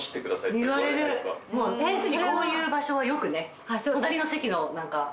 「こういう場所はよくね」